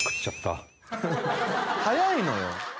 早いのよ。